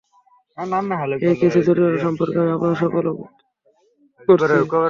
এই কেসের জটিলতা সম্পর্কে আমি আপনাদের সকলকে অবহিত করেছি।